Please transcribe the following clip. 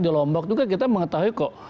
di lombok juga kita mengetahui kok